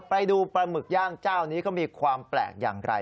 ไปดูปลาหมึกย่างเจ้านี้เขามีความแปลกอย่างไร